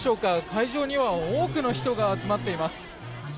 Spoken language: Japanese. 会場には多くの人が集まっています。